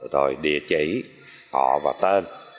rồi địa chỉ họ và tên